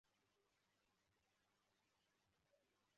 Abantu bane bacuranga ibikoresho kumuhanda